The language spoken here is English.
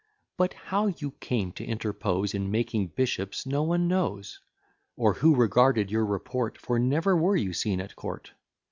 But how you came to interpose In making bishops, no one knows; Or who regarded your report; For never were you seen at court.